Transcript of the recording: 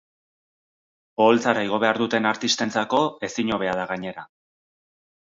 Oholtzara igo behar duten artistentzako ezin hobea da gainera!